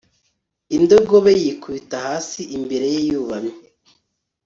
indogobe yikubita hasi imbere ye yubamye